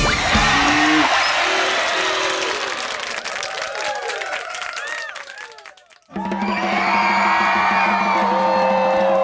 อบตมหาสนุก